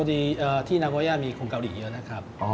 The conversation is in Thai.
ถึงที่นากโกย่ามีคุณเกาหลีเยอะนะครับ